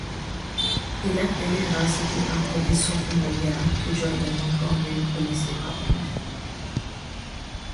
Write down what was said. He left the university after his sophomore year to join the Montgomery Police Department.